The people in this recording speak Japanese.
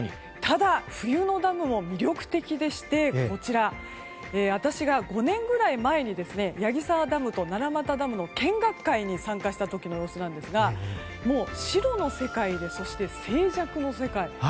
ただ、冬のダムも魅力的でして私が５年ぐらい前に矢木沢ダムと奈良俣ダムの見学会に参加した時の様子なんですが白の世界で、そして静寂の世界。